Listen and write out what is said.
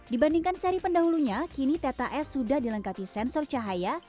dibandingkan seri pendahulunya kini teta s sudah dilengkapi sensor cahaya